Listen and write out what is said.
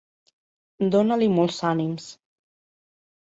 Dona-li molts ànims.